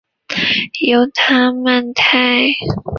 犹他曼泰圣殿被列入美国国家史迹名录。